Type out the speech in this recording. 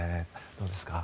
どうですか？